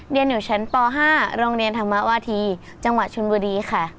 เรียนอยู่ชั้นป๕โรงเรียนธรรมวาธีจังหวัดชนบุรีค่ะ